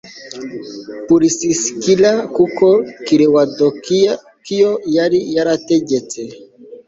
purisikila kuko kilawudiyo yari yarategetse